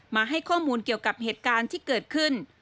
มาให้ข้อมูลเกี่ยวกับเหตุการณ์ที่เกิดขึ้น